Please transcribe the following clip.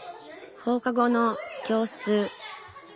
放課後の教室。